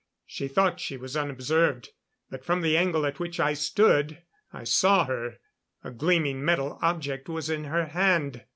She thought she was unobserved, but from the angle at which I stood, I saw her. A gleaming metal object was in her hand.